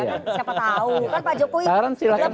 iya kan siapa tau kan pak jokowi saran silahkan